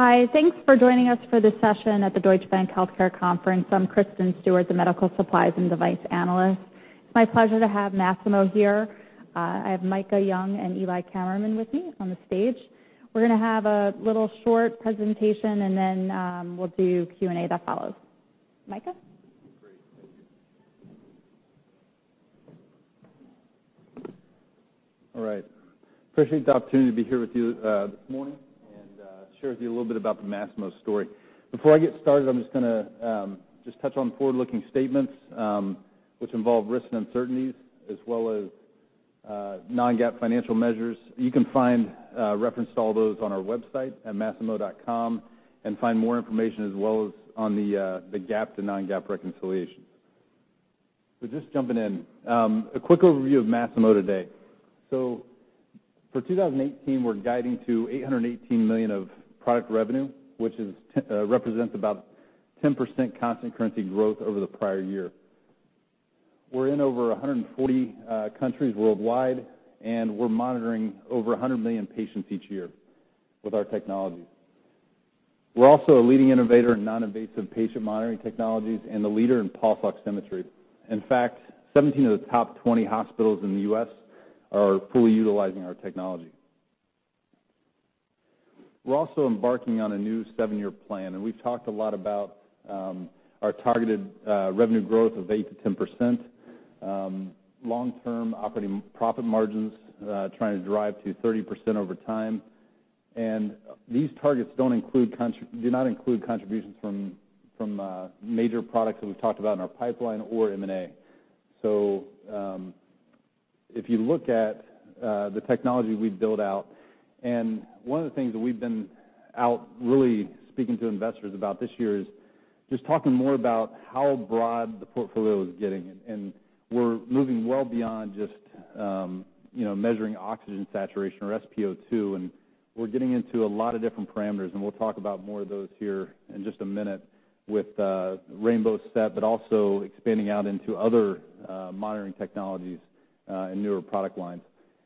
Hi, thanks for joining us for this session at the Deutsche Bank Healthcare Conference. I'm Kristen Stewart, the Medical Supplies and Device Analyst. It's my pleasure to have Masimo here. I have Micah Young and Eli Kammerman with me on the stage. We're going to have a little short presentation, and then we'll do Q&A that follows. Micah? Great, thank you. All right, I appreciate the opportunity to be here with you this morning and share with you a little bit about the Masimo story. Before I get started, I'm just going to touch on forward-looking statements which involve risks and uncertainties, as well as non-GAAP financial measures. You can find reference to all those on our website at masimo.com and find more information, as well as on the GAAP to non-GAAP reconciliation. So just jumping in, a quick overview of Masimo today. So for 2018, we're guiding to $818 million of product revenue, which represents about 10% constant currency growth over the prior year. We're in over 140 countries worldwide, and we're monitoring over 100 million patients each year with our technologies. We're also a leading innovator in non-invasive patient monitoring technologies and the leader in pulse oximetry. In fact, 17 of the top 20 hospitals in the U.S. are fully utilizing our technology. We're also embarking on a new seven-year plan, and we've talked a lot about our targeted revenue growth of eight to 10%, long-term operating profit margins trying to drive to 30% over time. These targets do not include contributions from major products that we've talked about in our pipeline or M&A. If you look at the technology we build out, and one of the things that we've been out really speaking to investors about this year is just talking more about how broad the portfolio is getting. We're moving well beyond just measuring oxygen saturation or SpO2, and we're getting into a lot of different parameters. We'll talk about more of those here in just a minute with Rainbow SET, but also expanding out into other monitoring technologies and newer product lines.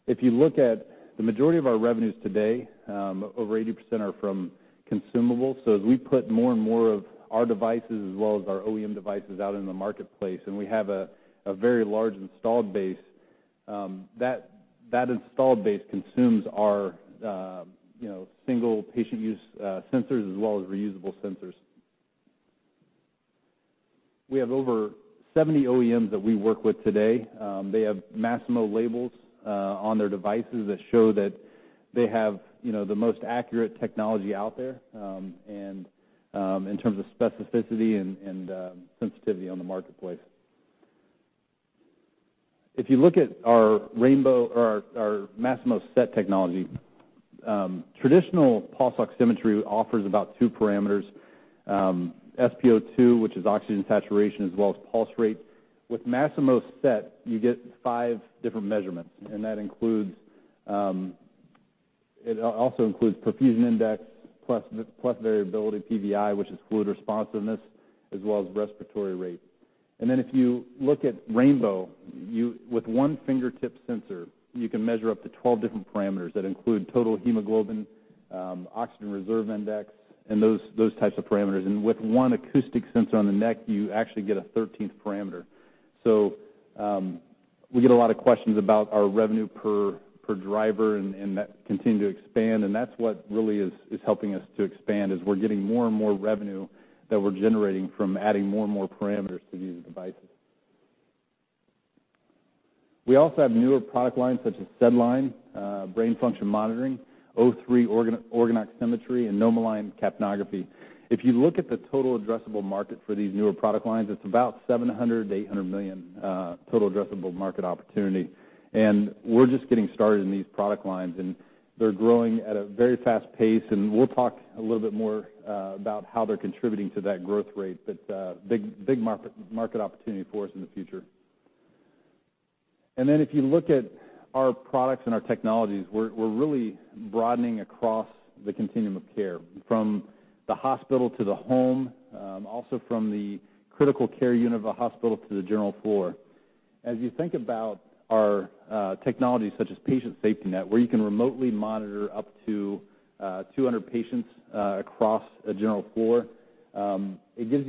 If you look at the majority of our revenues today, over 80% are from consumables. So as we put more and more of our devices, as well as our OEM devices, out in the marketplace, and we have a very large installed base, that installed base consumes our single patient use sensors, as well as reusable sensors. We have over 70 OEMs that we work with today. They have Masimo labels on their devices that show that they have the most accurate technology out there in terms of specificity and sensitivity on the marketplace. If you look at our Masimo SET technology, traditional pulse oximetry offers about two parameters: SpO2, which is oxygen saturation, as well as pulse rate. With Masimo SET, you get five different measurements, and that also includes perfusion index, Pleth variability PVI, which is fluid responsiveness, as well as respiratory rate. Then if you look at Rainbow, with one fingertip sensor, you can measure up to 12 different parameters that include total hemoglobin, Oxygen Reserve Index, and those types of parameters. With one acoustic sensor on the neck, you actually get a 13th parameter. We get a lot of questions about our revenue per driver, and that continues to expand. That's what really is helping us to expand: we're getting more and more revenue that we're generating from adding more and more parameters to these devices. We also have newer product lines such as SedLine, brain function monitoring, O3 Organ Oximetry, and NomoLine capnography. If you look at the total addressable market for these newer product lines, it's about $700 million-$800 million total addressable market opportunity. And we're just getting started in these product lines, and they're growing at a very fast pace. And we'll talk a little bit more about how they're contributing to that growth rate, but big market opportunity for us in the future. And then if you look at our products and our technologies, we're really broadening across the continuum of care from the hospital to the home, also from the critical care unit of a hospital to the General Floor. As you think about our technologies such as Patient SafetyNet, where you can remotely monitor up to 200 patients across a General Floor, it gives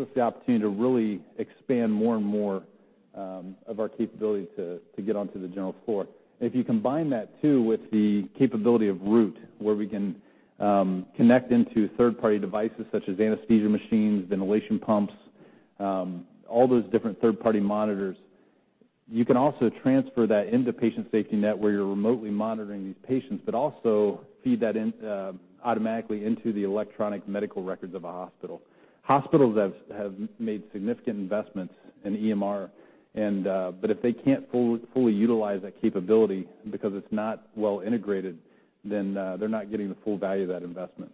us the opportunity to really expand more and more of our capability to get onto the General Floor. If you combine that too with the capability of Root, where we can connect into third-party devices such as anesthesia machines, ventilation pumps, all those different third-party monitors, you can also transfer that into Patient SafetyNet, where you're remotely monitoring these patients, but also feed that automatically into the electronic medical records of a hospital. Hospitals have made significant investments in EMR, but if they can't fully utilize that capability because it's not well integrated, then they're not getting the full value of that investment.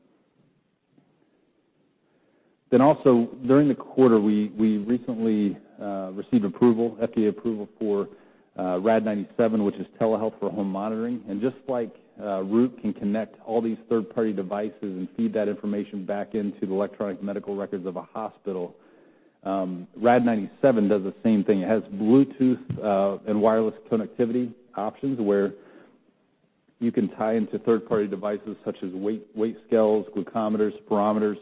Then also, during the quarter, we recently received FDA approval for Rad-97, which is telehealth for home monitoring, and just like Root can connect all these third-party devices and feed that information back into the electronic medical records of a hospital, Rad-97 does the same thing. It has Bluetooth and wireless connectivity options where you can tie into third-party devices such as weight scales, glucometers, spirometers,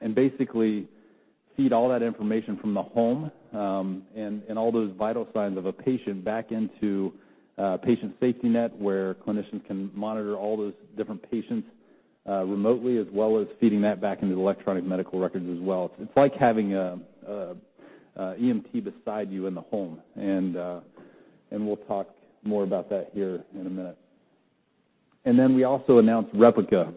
and basically feed all that information from the home and all those vital signs of a patient back into Patient SafetyNet, where clinicians can monitor all those different patients remotely, as well as feeding that back into the electronic medical records as well. It's like having an EMT beside you in the home. And we'll talk more about that here in a minute. And then we also announced Replica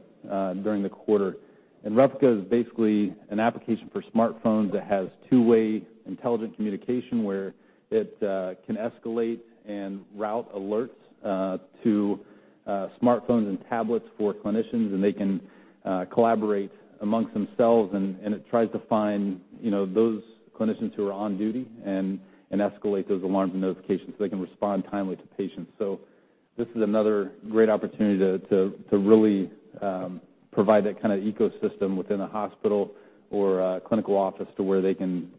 during the quarter. And Replica is basically an application for smartphones that has two-way intelligent communication where it can escalate and route alerts to smartphones and tablets for clinicians, and they can collaborate amongst themselves. And it tries to find those clinicians who are on duty and escalate those alarms and notifications so they can respond timely to patients. So this is another great opportunity to really provide that kind of ecosystem within a hospital or clinical office to where they can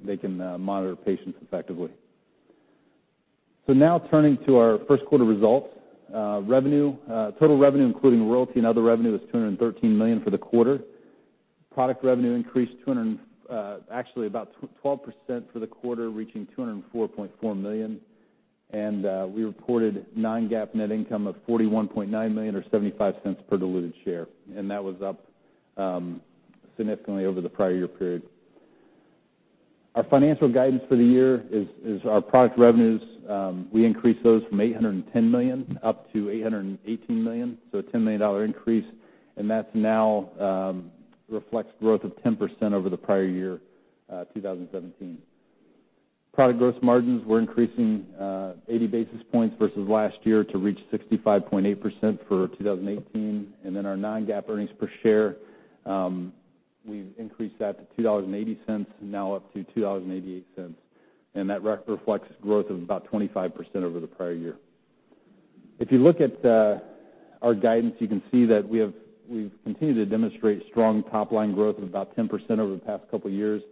monitor patients effectively. So now turning to our first quarter results, total revenue, including royalty and other revenue, is $213 million for the quarter. Product revenue increased actually about 12% for the quarter, reaching $204.4 million. And we reported Non-GAAP net income of $41.9 million or $0.75 per diluted share. And that was up significantly over the prior year period. Our financial guidance for the year is our product revenues. We increased those from $810 million up to $818 million, so a $10 million increase. And that now reflects growth of 10% over the prior year, 2017. Product gross margins, we're increasing 80 basis points versus last year to reach 65.8% for 2018. And then our non-GAAP earnings per share, we've increased that to $2.80, now up to $2.88. And that reflects growth of about 25% over the prior year. If you look at our guidance, you can see that we've continued to demonstrate strong top-line growth of about 10% over the past couple of years.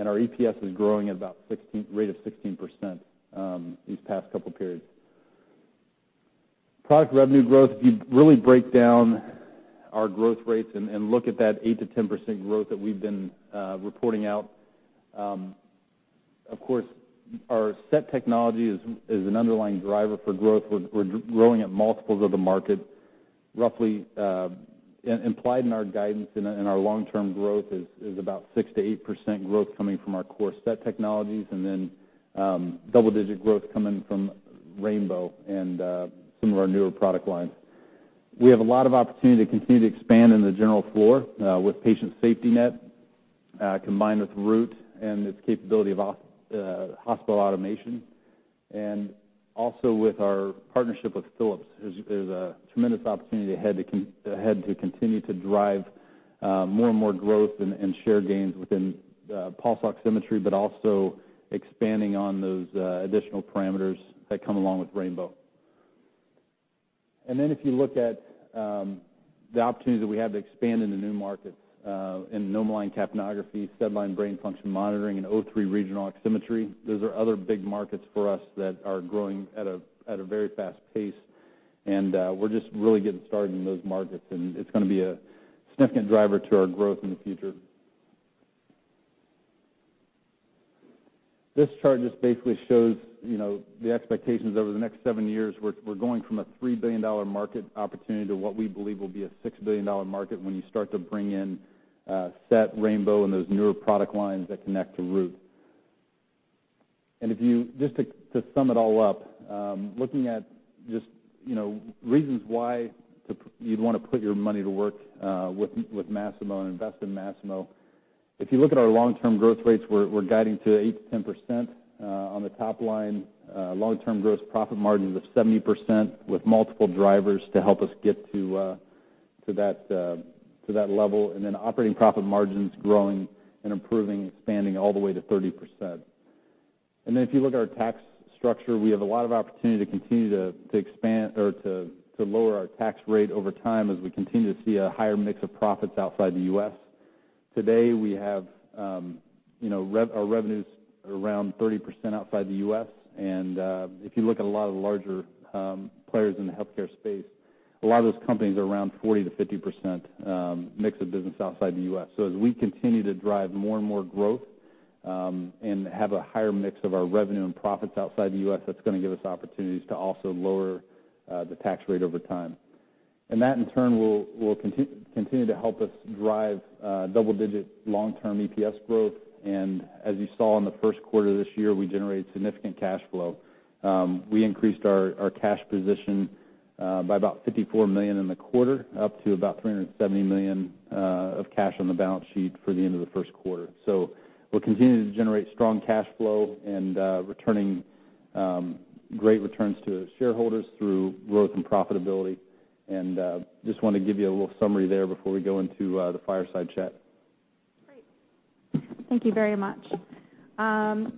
And our EPS is growing at about a rate of 16% these past couple of periods. Product revenue growth, if you really break down our growth rates and look at that 8%-10% growth that we've been reporting out, of course, our SET technology is an underlying driver for growth. We're growing at multiples of the market. Roughly implied in our guidance and our long-term growth is about 6%-8% growth coming from our core SET technologies, and then double-digit growth coming from Rainbow and some of our newer product lines. We have a lot of opportunity to continue to expand in the General Floor with Patient SafetyNet combined with Root and its capability of hospital automation, and also with our partnership with Philips, there's a tremendous opportunity ahead to continue to drive more and more growth and share gains within pulse oximetry, but also expanding on those additional parameters that come along with Rainbow, and then if you look at the opportunities that we have to expand into new markets in NomoLine capnography, SedLine, brain function monitoring, and O3 Regional Oximetry, those are other big markets for us that are growing at a very fast pace, and we're just really getting started in those markets, and it's going to be a significant driver to our growth in the future. This chart just basically shows the expectations over the next seven years. We're going from a $3 billion market opportunity to what we believe will be a $6 billion market when you start to bring in SET, Rainbow, and those newer product lines that connect to Root. And just to sum it all up, looking at just reasons why you'd want to put your money to work with Masimo and invest in Masimo, if you look at our long-term growth rates, we're guiding to 8%-10% on the top line, long-term gross profit margins of 70% with multiple drivers to help us get to that level, and then operating profit margins growing and improving, expanding all the way to 30%. And then if you look at our tax structure, we have a lot of opportunity to continue to expand or to lower our tax rate over time as we continue to see a higher mix of profits outside the U.S. Today, we have our revenues around 30% outside the U.S., and if you look at a lot of the larger players in the healthcare space, a lot of those companies are around 40%-50% mix of business outside the U.S., so as we continue to drive more and more growth and have a higher mix of our revenue and profits outside the U.S., that's going to give us opportunities to also lower the tax rate over time, and that, in turn, will continue to help us drive double-digit long-term EPS growth. And as you saw in the first quarter of this year, we generated significant cash flow. We increased our cash position by about $54 million in the quarter, up to about $370 million of cash on the balance sheet for the end of the first quarter. So we'll continue to generate strong cash flow and returning great returns to shareholders through growth and profitability, and just wanted to give you a little summary there before we go into the fireside chat. Great. Thank you very much.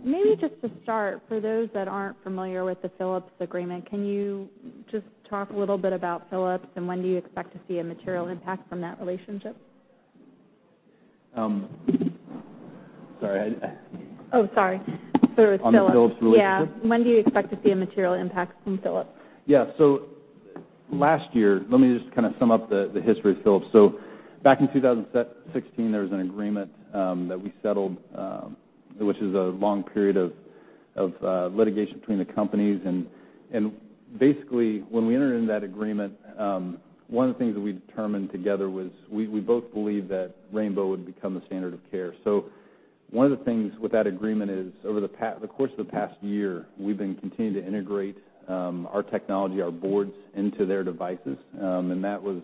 Maybe just to start, for those that aren't familiar with the Philips agreement, can you just talk a little bit about Philips and when do you expect to see a material impact from that relationship? Sorry. Oh, sorry. So it's Philips. Oh, Philips relationship? Yeah. When do you expect to see a material impact from Philips? Yeah. So last year, let me just kind of sum up the history of Philips. So back in 2016, there was an agreement that we settled, which is a long period of litigation between the companies. And basically, when we entered into that agreement, one of the things that we determined together was we both believed that Rainbow would become the standard of care. So one of the things with that agreement is, over the course of the past year, we've been continuing to integrate our technology, our boards, into their devices. And that was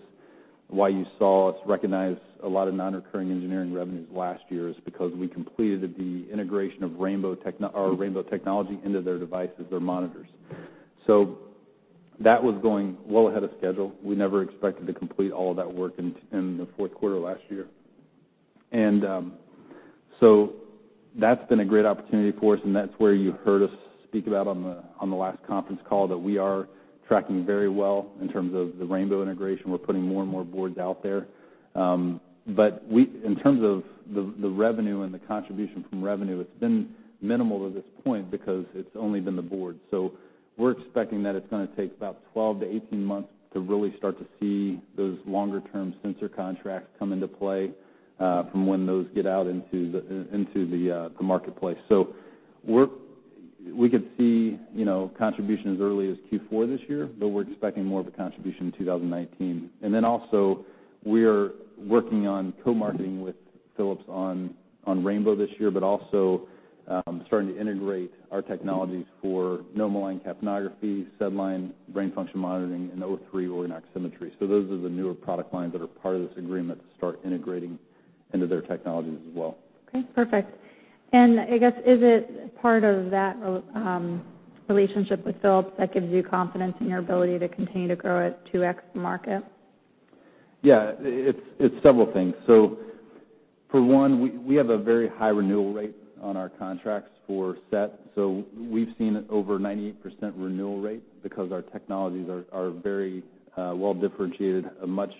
why you saw us recognize a lot of non-recurring engineering revenues last year is because we completed the integration of Rainbow technology into their devices, their monitors. So that was going well ahead of schedule. We never expected to complete all of that work in the fourth quarter of last year. And so that's been a great opportunity for us. And that's where you heard us speak about on the last conference call that we are tracking very well in terms of the Rainbow integration. We're putting more and more boards out there. But in terms of the revenue and the contribution from revenue, it's been minimal to this point because it's only been the board. So we're expecting that it's going to take about 12-18 months to really start to see those longer-term sensor contracts come into play from when those get out into the marketplace. So we could see contributions as early as Q4 this year, but we're expecting more of a contribution in 2019. And then also, we are working on co-marketing with Philips on Rainbow this year, but also starting to integrate our technologies for NomoLine capnography, SedLine, brain function monitoring, and O3 Organ Oximetry. So those are the newer product lines that are part of this agreement to start integrating into their technologies as well. Okay. Perfect. And I guess, is it part of that relationship with Philips that gives you confidence in your ability to continue to grow at 2x the market? Yeah. It's several things. So for one, we have a very high renewal rate on our contracts for SET. So we've seen over a 98% renewal rate because our technologies are very well differentiated, much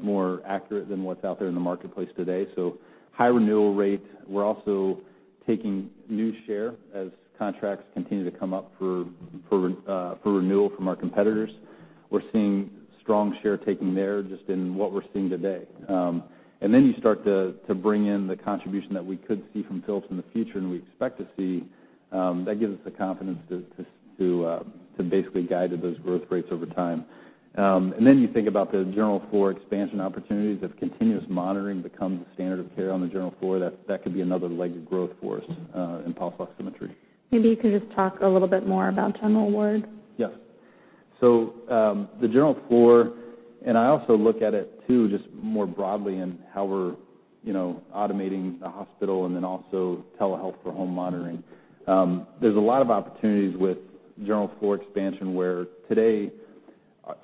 more accurate than what's out there in the marketplace today. So high renewal rate. We're also taking new share as contracts continue to come up for renewal from our competitors. We're seeing strong share-taking there just in what we're seeing today. And then you start to bring in the contribution that we could see from Philips in the future and we expect to see. That gives us the confidence to basically guide those growth rates over time. And then you think about the general floor expansion opportunities. If continuous monitoring becomes the standard of care on the general floor, that could be another leg of growth for us in pulse oximetry. Maybe you can just talk a little bit more about general ward. Yes, so the General Floor, and I also look at it too just more broadly in how we're automating the hospital and then also telehealth for home monitoring. There's a lot of opportunities with General Floor expansion, where today,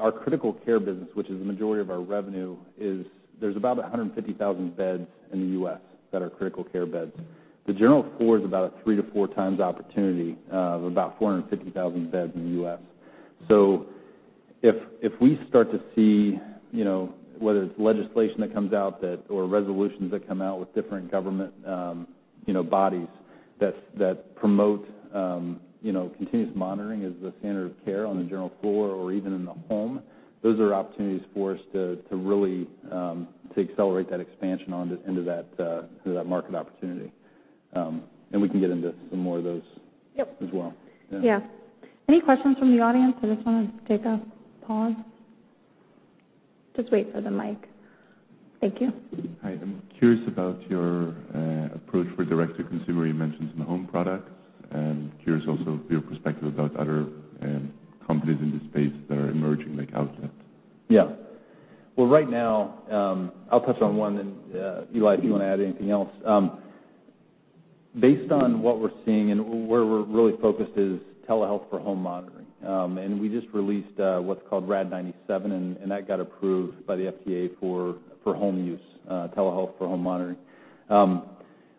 our critical care business, which is the majority of our revenue, there's about 150,000 beds in the U.S. that are critical care beds. The General Floor is about a three to four times opportunity of about 450,000 beds in the U.S., so if we start to see whether it's legislation that comes out or resolutions that come out with different government bodies that promote continuous monitoring as the standard of care on the General Floor or even in the home, those are opportunities for us to really accelerate that expansion into that market opportunity, and we can get into some more of those as well. Yeah. Any questions from the audience? I just want to take a pause. Just wait for the mic. Thank you. All right. I'm curious about your approach for direct-to-consumer. You mentioned some home products. I'm curious also of your perspective about other companies in this space that are emerging like Owlet. Yeah. Well, right now, I'll touch on one. And Eli, if you want to add anything else. Based on what we're seeing and where we're really focused is telehealth for home monitoring. And we just released what's called Rad-97, and that got approved by the FDA for home use, telehealth for home monitoring.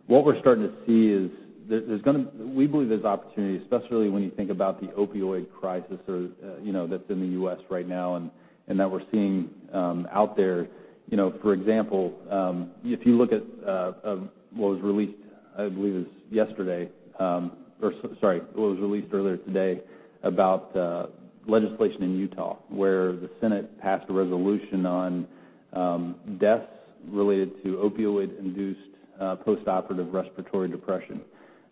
What we're starting to see is there's going to be. We believe there's opportunity, especially when you think about the opioid crisis that's in the U.S. right now and that we're seeing out there. For example, if you look at what was released, I believe it was yesterday. Sorry, what was released earlier today about legislation in Utah where the Senate passed a resolution on deaths related to opioid-induced postoperative respiratory depression.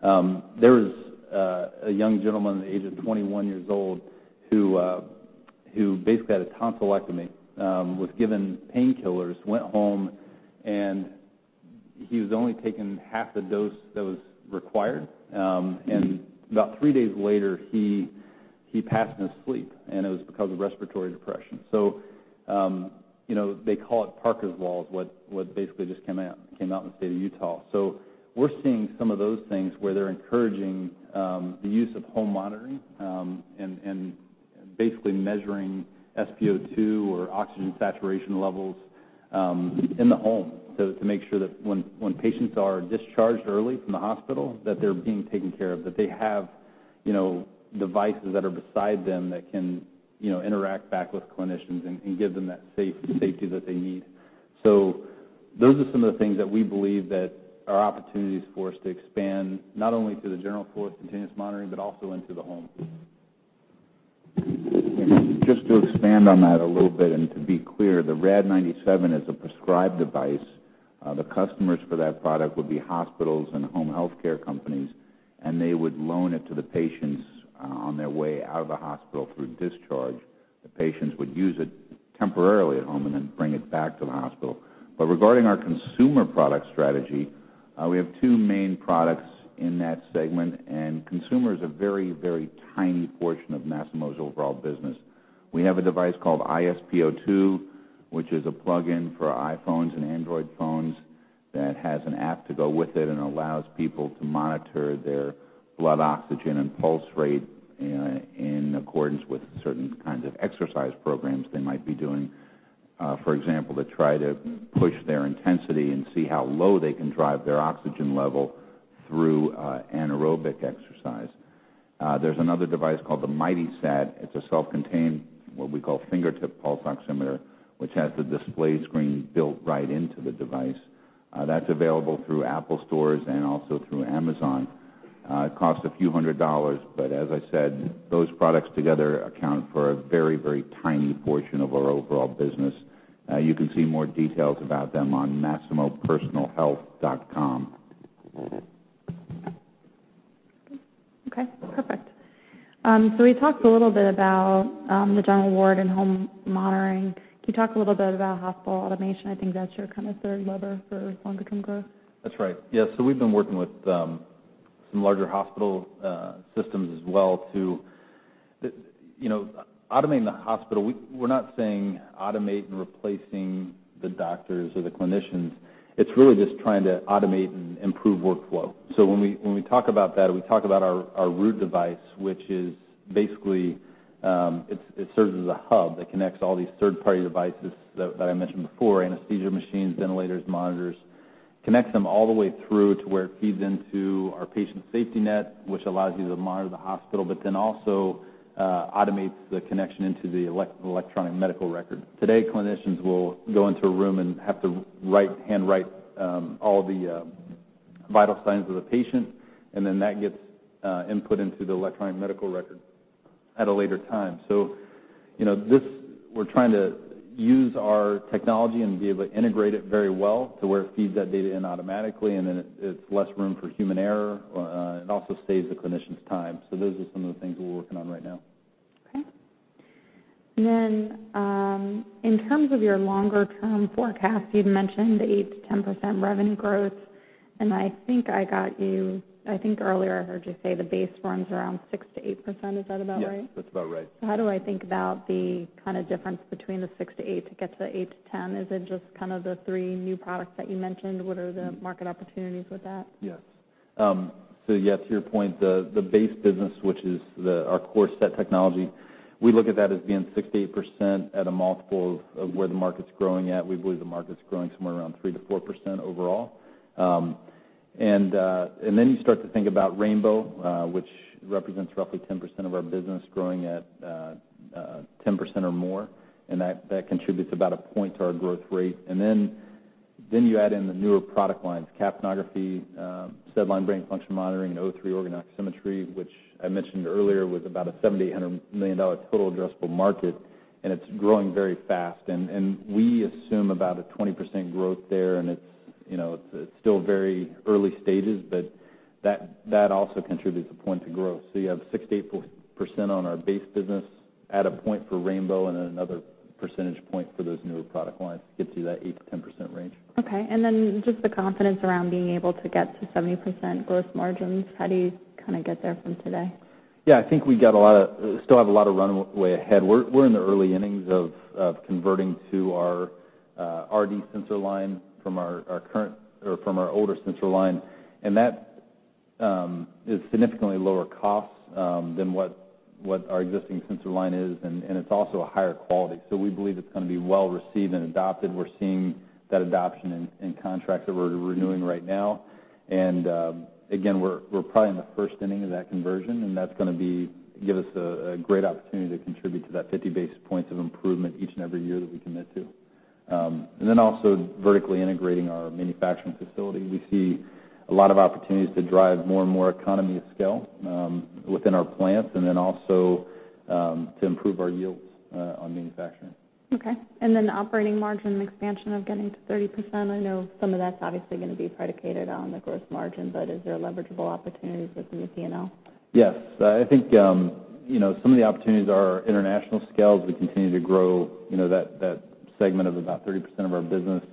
There was a young gentleman aged 21 years old who basically had a tonsillectomy, was given painkillers, went home, and he was only taking half the dose that was required, and about three days later, he passed in his sleep, and it was because of respiratory depression, so they call it Parker's Law, what basically just came out in the state of Utah, so we're seeing some of those things where they're encouraging the use of home monitoring and basically measuring SpO2 or oxygen saturation levels in the home to make sure that when patients are discharged early from the hospital, that they're being taken care of, that they have devices that are beside them that can interact back with clinicians and give them that safety that they need. So those are some of the things that we believe that are opportunities for us to expand not only to the General Floor of continuous monitoring, but also into the home. Just to expand on that a little bit and to be clear, the Rad-97 is a prescribed device. The customers for that product would be hospitals and home healthcare companies, and they would loan it to the patients on their way out of the hospital through discharge. The patients would use it temporarily at home and then bring it back to the hospital. But regarding our consumer product strategy, we have two main products in that segment, and consumers are a very, very tiny portion of Masimo's overall business. We have a device called iSpO2, which is a plug-in for iPhones and Android phones that has an app to go with it and allows people to monitor their blood oxygen and pulse rate in accordance with certain kinds of exercise programs they might be doing, for example, to try to push their intensity and see how low they can drive their oxygen level through anaerobic exercise. There's another device called the MightySat. It's a self-contained, what we call fingertip pulse oximeter, which has the display screen built right into the device. That's available through Apple Stores and also through Amazon. It costs a few hundred dollars, but as I said, those products together account for a very, very tiny portion of our overall business. You can see more details about them on masimopersonalhealth.com. Okay. Perfect. So we talked a little bit about the general ward and home monitoring. Can you talk a little bit about hospital automation? I think that's your kind of third lever for longer-term growth. That's right. Yeah. So we've been working with some larger hospital systems as well to automate the hospital. We're not saying automate and replacing the doctors or the clinicians. It's really just trying to automate and improve workflow. So when we talk about that, we talk about our Root device, which is basically it serves as a hub that connects all these third-party devices that I mentioned before: anesthesia machines, ventilators, monitors. It connects them all the way through to where it feeds into our Patient SafetyNet, which allows you to monitor the hospital, but then also automates the connection into the electronic medical record. Today, clinicians will go into a room and have to handwrite all the vital signs of the patient, and then that gets input into the electronic medical record at a later time. We're trying to use our technology and be able to integrate it very well to where it feeds that data in automatically, and then it's less room for human error. It also saves the clinician's time. Those are some of the things we're working on right now. Okay. And then in terms of your longer-term forecast, you'd mentioned 8%-10% revenue growth. And I think I got you. I think earlier I heard you say the base runs around 6%-8%. Is that about right? Yes. That's about right. So how do I think about the kind of difference between the six to eight to get to the eight to 10? Is it just kind of the three new products that you mentioned? What are the market opportunities with that? Yes. So yeah, to your point, the base business, which is our core SET technology, we look at that as being 6-8% at a multiple of where the market's growing at. We believe the market's growing somewhere around 3-4% overall. And then you start to think about Rainbow, which represents roughly 10% of our business, growing at 10% or more. And that contributes about a point to our growth rate. And then you add in the newer product lines: capnography, SedLine, brain function monitoring, and O3 Organ Oximetry, which I mentioned earlier was about a $700 million-$800 million total addressable market, and it's growing very fast. And we assume about a 20% growth there, and it's still very early stages, but that also contributes a point to growth. You have 6%-8% on our base business at a point for Rainbow and another percentage point for those newer product lines. It gets you that 8%-10% range. Okay, and then just the confidence around being able to get to 70% gross margins. How do you kind of get there from today? Yeah. I think we still have a lot of runway ahead. We're in the early innings of converting to our RD sensor line from our current or from our older sensor line. That is significantly lower cost than what our existing sensor line is, and it's also a higher quality, so we believe it's going to be well received and adopted. We're seeing that adoption in contracts that we're renewing right now. Again, we're probably in the first inning of that conversion, and that's going to give us a great opportunity to contribute to that 50 basis points of improvement each and every year that we commit to. Then, also vertically integrating our manufacturing facility, we see a lot of opportunities to drive more and more economy of scale within our plants and then also to improve our yields on manufacturing. Okay. And then operating margin expansion of getting to 30%. I know some of that's obviously going to be predicated on the gross margin, but is there leverageable opportunities within the P&L? Yes. I think some of the opportunities are international scale. As we continue to grow that segment of about 30% of our business,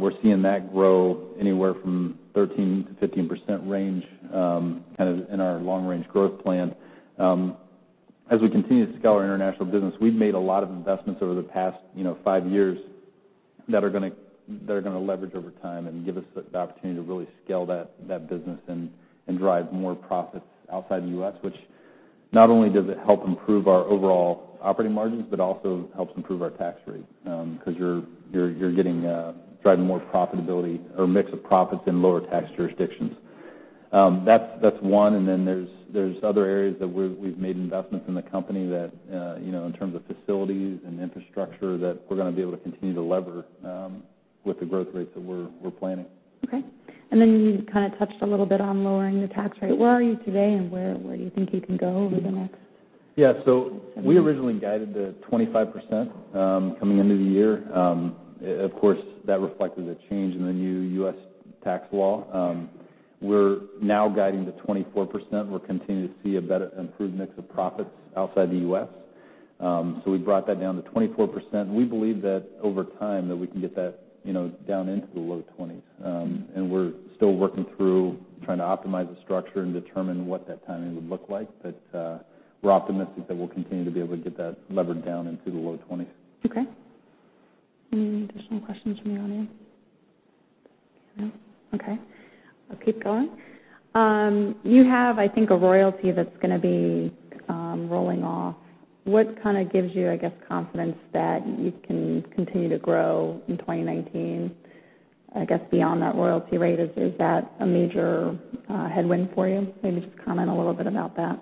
we're seeing that grow anywhere from 13%-15% range kind of in our long-range growth plan. As we continue to scale our international business, we've made a lot of investments over the past five years that are going to leverage over time and give us the opportunity to really scale that business and drive more profits outside the U.S., which not only does it help improve our overall operating margins, but also helps improve our tax rate because you're driving more profitability or a mix of profits in lower tax jurisdictions. That's one. And then there's other areas that we've made investments in the company that, in terms of facilities and infrastructure, we're going to be able to continue to leverage with the growth rates that we're planning. Okay. And then you kind of touched a little bit on lowering the tax rate. Where are you today, and where do you think you can go over the next 10 to 15 years? Yeah, so we originally guided to 25% coming into the year. Of course, that reflected the change in the new U.S. tax law. We're now guiding to 24%. We're continuing to see a better improved mix of profits outside the U.S., so we brought that down to 24%. We believe that over time that we can get that down into the low 20s, and we're still working through trying to optimize the structure and determine what that timing would look like, but we're optimistic that we'll continue to be able to get that levered down into the low 20s. Okay. Any additional questions from the audience? No? Okay. I'll keep going. You have, I think, a royalty that's going to be rolling off. What kind of gives you, I guess, confidence that you can continue to grow in 2019, I guess, beyond that royalty rate? Is that a major headwind for you? Maybe just comment a little bit about that.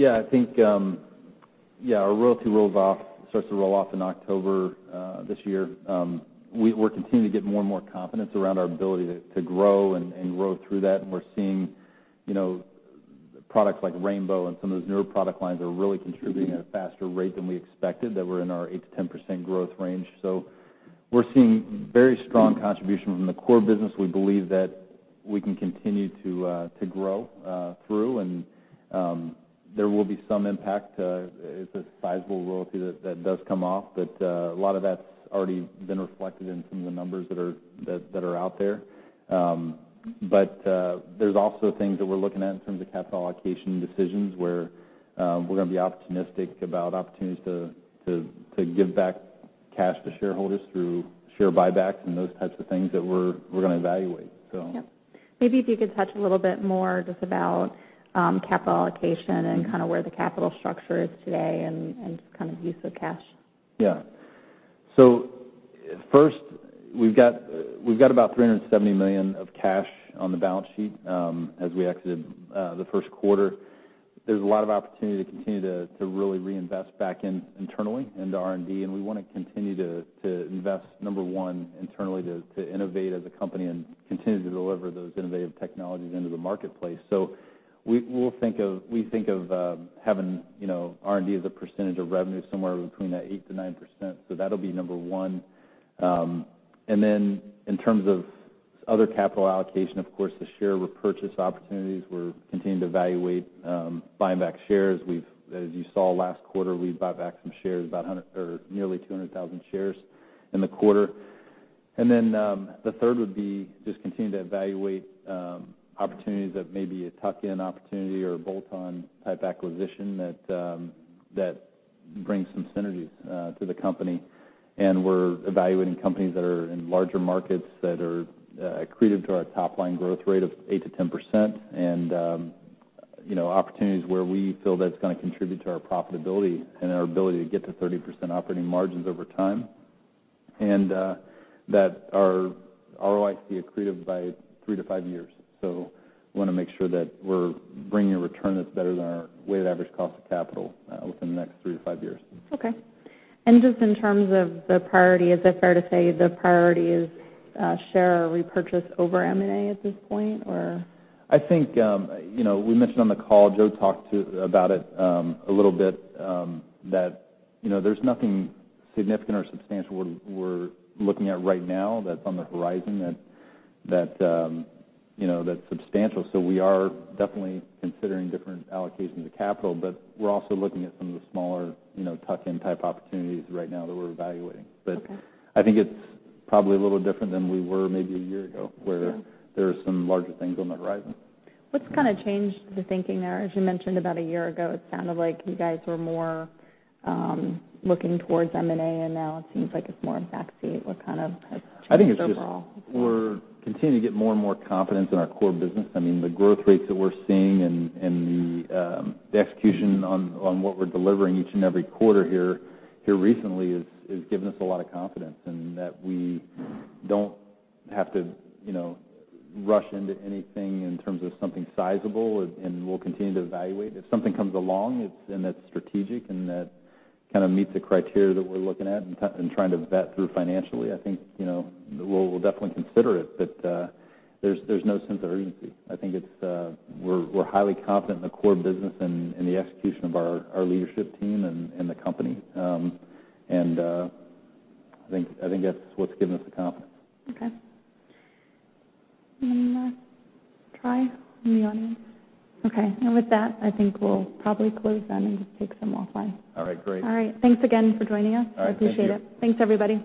Yeah. I think, yeah, our royalty starts to roll off in October this year. We're continuing to get more and more confidence around our ability to grow and grow through that. And we're seeing products like Rainbow and some of those newer product lines are really contributing at a faster rate than we expected that we're in our 8%-10% growth range. So we're seeing very strong contribution from the core business. We believe that we can continue to grow through, and there will be some impact. It's a sizable royalty that does come off, but a lot of that's already been reflected in some of the numbers that are out there. But there's also things that we're looking at in terms of capital allocation decisions where we're going to be optimistic about opportunities to give back cash to shareholders through share buybacks and those types of things that we're going to evaluate. So. Yeah. Maybe if you could touch a little bit more just about capital allocation and kind of where the capital structure is today and just kind of use of cash? Yeah. So first, we've got about $370 million of cash on the balance sheet as we exited the first quarter. There's a lot of opportunity to continue to really reinvest back internally into R&D. We want to continue to invest, number one, internally to innovate as a company and continue to deliver those innovative technologies into the marketplace. So we think of having R&D as a percentage of revenue somewhere between that 8%-9%. That'll be number one. In terms of other capital allocation, of course, the share repurchase opportunities. We're continuing to evaluate buying back shares. As you saw last quarter, we bought back some shares, about nearly 200,000 shares in the quarter. The third would be just continuing to evaluate opportunities that may be a tuck-in opportunity or a bolt-on type acquisition that brings some synergies to the company. We're evaluating companies that are in larger markets that are accretive to our top-line growth rate of 8%-10% and opportunities where we feel that it's going to contribute to our profitability and our ability to get to 30% operating margins over time and that our ROIC accretive by three to five years. We want to make sure that we're bringing a return that's better than our weighted average cost of capital within the next three to five years. Okay. And just in terms of the priority, is it fair to say the priority is share repurchase over M&A at this point, or? I think we mentioned on the call, Joe talked about it a little bit, that there's nothing significant or substantial we're looking at right now that's on the horizon that's substantial. So we are definitely considering different allocations of capital, but we're also looking at some of the smaller tuck-in type opportunities right now that we're evaluating. But I think it's probably a little different than we were maybe a year ago where there are some larger things on the horizon. What's kind of changed the thinking there? As you mentioned about a year ago, it sounded like you guys were more looking towards M&A, and now it seems like it's more backseat. What kind of has changed overall? I think it's just we're continuing to get more and more confidence in our core business. I mean, the growth rates that we're seeing and the execution on what we're delivering each and every quarter here recently has given us a lot of confidence in that we don't have to rush into anything in terms of something sizable, and we'll continue to evaluate. If something comes along and it's strategic and that kind of meets the criteria that we're looking at and trying to vet through financially, I think we'll definitely consider it. But there's no sense of urgency. I think we're highly confident in the core business and the execution of our leadership team and the company, and I think that's what's given us the confidence. Okay. Anyone want to try in the audience? Okay. And with that, I think we'll probably close then and just take some offline. All right. Great. All right. Thanks again for joining us. All right. Thank you. I appreciate it. Thanks, everybody.